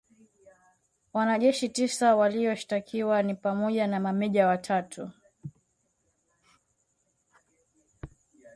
Wanajeshi tisa walioshtakiwa ni pamoja na mameja watatu